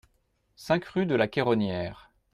cinq rue de la Queronnière